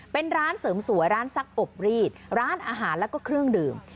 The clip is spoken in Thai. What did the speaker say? เป็นร้านเสริมสวยร้านซักอบรีดร้านอาหารแล้วก็เครื่องดื่ม